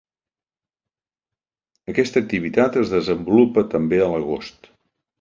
Aquesta activitat es desenvolupa també a l’agost.